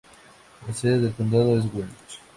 La sede del condado es Welch.